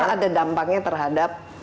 apakah ada dampaknya terhadap